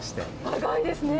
長いですね。